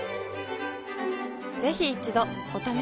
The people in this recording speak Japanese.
ぜひ一度お試しを。